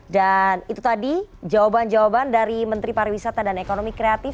dan itu tadi jawaban jawaban dari menteri pariwisata dan ekonomi kreatif